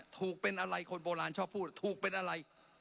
ถูกเป็นอะไรคนโบราณชอบพูดถูกเป็นอะไร